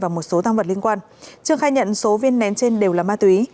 và một số tăng vật liên quan trương khai nhận số viên nén trên đều là ma túy